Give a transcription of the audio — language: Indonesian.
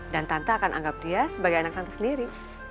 dan tante akan anggap dia sebagai anak tante sendiri